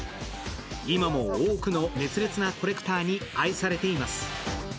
今も多くの熱烈なコレクターに愛されています。